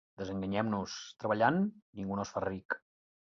Desenganyem-nos: treballant ningú no es fa ric.